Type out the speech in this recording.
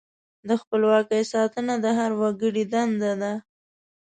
د خپلواکۍ ساتنه د هر وګړي دنده ده.